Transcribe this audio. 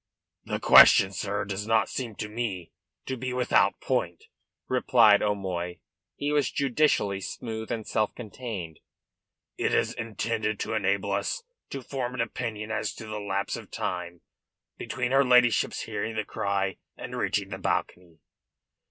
"The question, sir, does not seem to me to be without point," replied O'Moy. He was judicially smooth and self contained. "It is intended to enable us to form an opinion as to the lapse of time between her ladyship's hearing the cry and reaching the balcony."